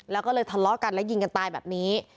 แล้วก็เลยทะเลาะกันและยิงกันตายแบบนี้